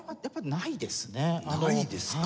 ないですか！